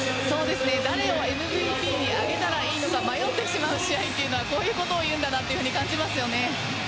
誰をＭＶＰに挙げたらいいのか迷ってしまう試合というのはこういうことを言うんだなと感じますよね。